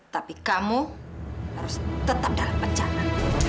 tapi kamu harus tetap dalam bencana